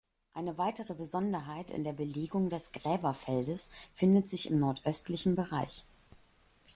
Eine weitere Besonderheit in der Belegung des Gräberfeldes findet sich im nordöstlichen Bereich.